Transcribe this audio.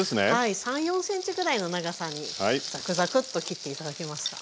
３４ｃｍぐらいの長さにざくざくっと切って頂けますか？